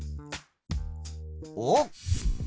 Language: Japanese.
おっ！